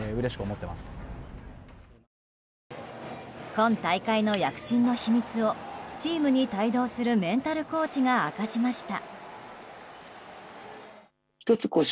今大会の躍進の秘密をチームに帯同するメンタルコーチが明かしました。